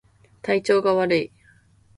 体調が悪い